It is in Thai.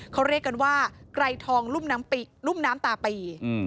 เขาเรียกกันว่าไกรทองรุ่มน้ำตาปี